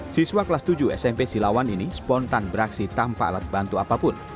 siswa kelas tujuh smp silawan ini spontan beraksi tanpa alat bantu apapun